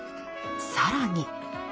更に。